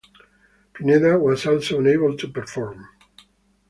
Pineda was also unable to perform.